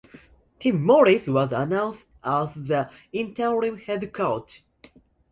Tim Morris was announced as the interim head coach.